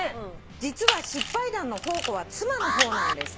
「実は失敗談の宝庫は妻の方なんです」